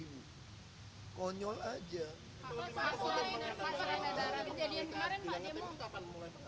pak pas lainnya pas ada darah kejadian kemarin pak dia mau